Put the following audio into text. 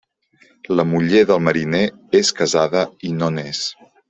La muller del mariner és casada i no n'és.